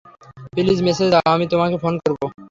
Please message দাও, আমি তোমাকে ফোন করব।